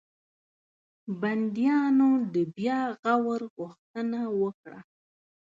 بنديانو د بیا غور غوښتنه وکړه.